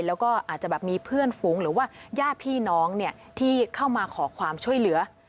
แล้วก็อาจจะแบบมีเพื่อนฝูงหรือว่าญาติพี่น้องที่เข้ามาขอความช่วยเหลือ